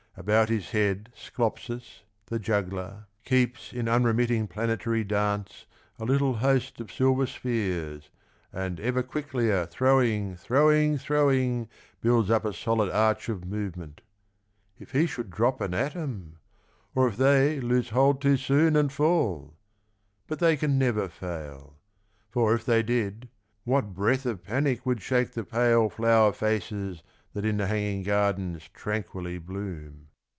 About his head Sclopis, the juggler, keeps 35 Theatre of Varieties. In unremitting planetary dance A little host of silver spheres, And ever quicklier throwing, throwing, throwing, Builds up a solid arch of movement. If he should drop an atom ? or if they Lose hold too soon and fall ? But they can never fail ; for if they did What breath of panic would shake the pale flower faces That in the hanging gardens tranquilly bloom.